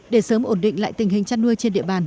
để sớm ổn định lại tình hình chăn nuôi trên địa bàn